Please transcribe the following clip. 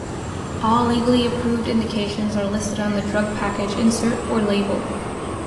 All legally approved indications are listed on the drug package insert or "label".